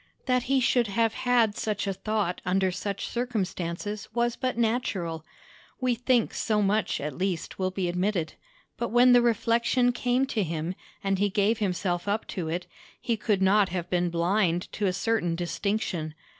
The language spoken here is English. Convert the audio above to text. That he should have had such a thought under such circumstances was but natural; we think so much, at least, will be admitted: but when the reflection came to him, and he gave himself up to it, he could not have been blind to a certain distinction.